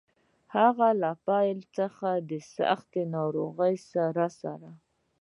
هغه له پیل څخه د سختې ناروغۍ سره سره.